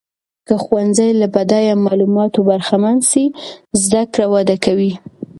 که ښوونځۍ له بډایه معلوماتو برخمن سي، زده کړه وده کوي.